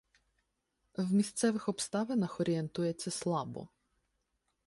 В місцевих обставинах орієнтується слабо.